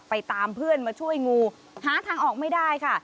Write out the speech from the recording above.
ตามเพื่อนมาช่วยงูหาทางออกไม่ได้ค่ะ